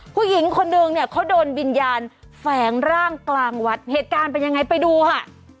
ผู้หญิงคนนึงเนี่ยเขาโดนวิญญาณแฝงร่างกลางวัดเหตุการณ์เป็นยังไงไปดูค่ะ